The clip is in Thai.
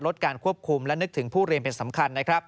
การควบคุมและนึกถึงผู้เรียนเป็นสำคัญนะครับ